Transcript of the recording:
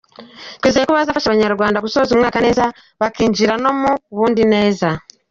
Twizeye ko bazafasha Abanyarwanda gusoza umwaka neza bakinjira no mu wundi neza.